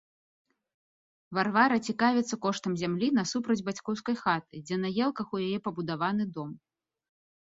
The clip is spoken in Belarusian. Варвара цікавіцца коштам зямлі насупраць бацькоўскай хаты, дзе на елках у яе пабудаваны дом.